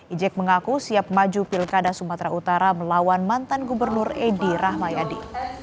ijek mengaku siap maju pilkada sumatera utara melawan mantan gubernur edi rahmayadi